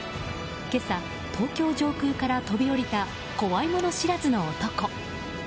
今朝、東京上空から飛び降りた怖いもの知らずの男。